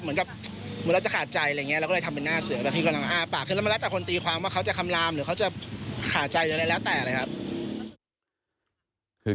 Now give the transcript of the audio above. เหมือนกับมรดจะขาดใจอะไรอย่างเงี้ยแล้วก็เลยทำเป็นหน้าเสือ